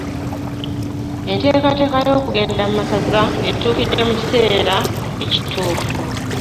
Enteekateeka y'okugenda mu masaza etuukidde mu kiseera ekituufu.